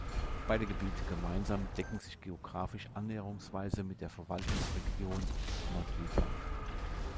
Beide Gebiete gemeinsam decken sich geografisch annäherungsweise mit der Verwaltungsregion Nordjütland.